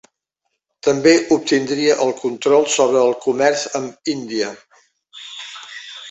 També obtindria el control sobre el comerç amb Índia.